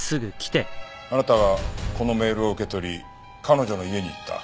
あなたはこのメールを受け取り彼女の家に行った。